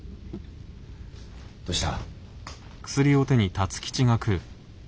どうした？